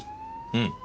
うん。